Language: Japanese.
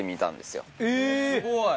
すごい。